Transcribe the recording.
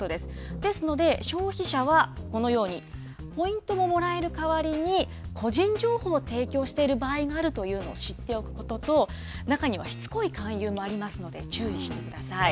ですので、消費者はこのように、ポイントがもらえる代わりに、個人情報を提供している場合があるというのを知っておくことと、中にはしつこい勧誘もありますので、注意してください。